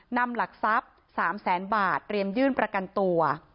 นำหลักทรัพย์๓แสนบาทเตรียมยื่นประกันตัว